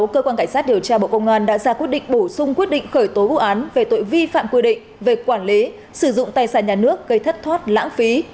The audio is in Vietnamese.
cơ quan cảnh sát điều tra bộ công an đã ra quyết định bổ sung quyết định khởi tố vụ án về tội vi phạm quy định về quản lý sử dụng tài sản nhà nước gây thất thoát lãng phí